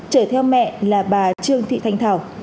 chở theo mẹ là bà trương thị thanh thảo